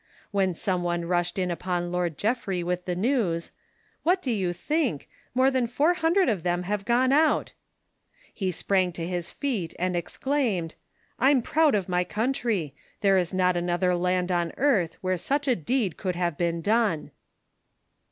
When some one rushed in iipon Lord Jef frey with the news, " What do you think ? More than four hundred of them have gone out !" he sprang to his feet and exclaimed, " I'm proud of my country. There is not another land on earth where such a deed could have been done